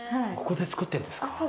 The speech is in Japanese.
ここで作ってるんですか？